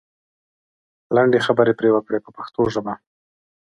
لنډې خبرې پرې وکړئ په پښتو ژبه.